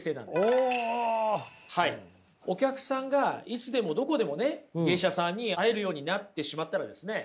お客さんがいつでもどこでもね芸者さんに会えるようになってしまったらですね